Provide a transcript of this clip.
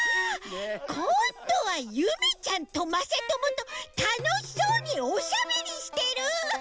こんどはゆめちゃんとまさともとたのしそうにおしゃべりしてる！